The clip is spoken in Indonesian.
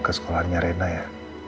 ke sekolahnya rena ya